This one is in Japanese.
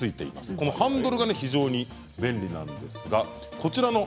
このハンドルが非常に便利なんです。